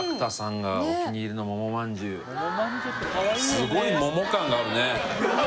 すごい桃感があるね